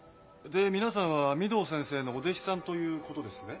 で皆さんは御堂先生のお弟子さんということですね？